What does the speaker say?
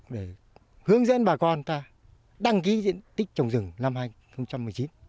để hướng dẫn bà con ta đăng ký diện tích trồng rừng năm hai nghìn một mươi chín